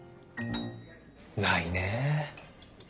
ないねえ。